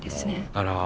あら。